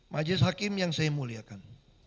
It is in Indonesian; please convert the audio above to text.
majelis hakim yang saya muliakan